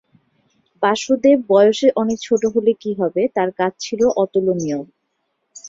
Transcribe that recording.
বাসুদেব বয়সে অনেক ছোট হলে কি হবে, তার কাজ ছিল অতুলনীয়।